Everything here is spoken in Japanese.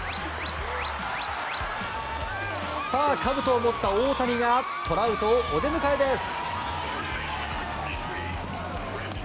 さあ、かぶとを持った大谷がトラウトをお出迎えです。